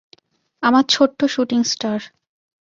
আমার ছোট্ট shooting star!